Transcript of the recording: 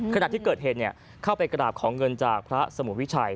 ขณะที่เกิดเหตุเข้าไปกราบขอเงินจากพระสมุวิชัย